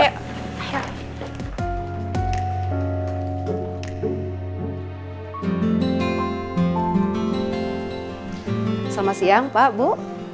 selamat siang pak bu